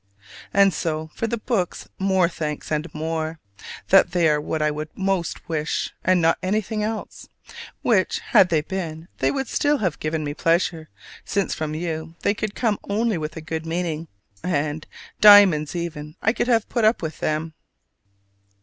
And so for the books more thanks and more, that they are what I would most wish, and not anything else: which, had they been, they would still have given me pleasure, since from you they could come only with a good meaning: and diamonds even I could have put up with them!